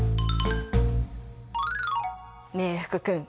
ねえ福君